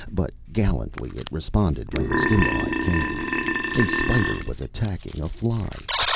But gallantly it responded when the stimuli came. A spider was attacking a fly.